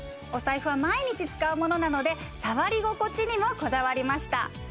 お財布は毎日使うものなので触り心地にもこだわりました